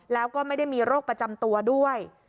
แล้วก็ไม่ได้มีโรคประจำตัวด้วย